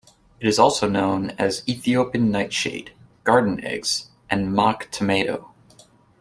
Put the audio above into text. It is also known as Ethiopian nightshade, garden eggs, and mock tomato.